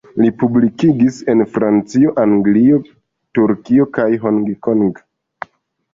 Li publikigis en Francio, Anglio, Turkio kaj Hong Kong.